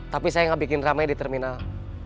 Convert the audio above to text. tapi saya gak bikin rame di terminal